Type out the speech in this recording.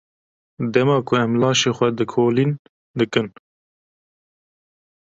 Dema ku em laşê xwe lêkolîn dikin.